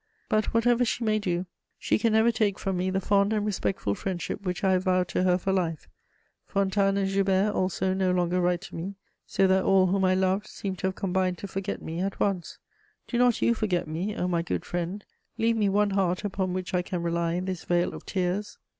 But, whatever she may do, she can never take from me the fond and respectful friendship which I have vowed to her for life. Fontanes and Joubert also no longer write to me; so that all whom I loved seem to have combined to forget me at once. Do not you forget me, O my good friend: leave me one heart upon which I can rely in this vale of tears!